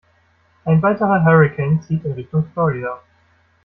Ein weiterer Hurrikan zieht in Richtung Florida.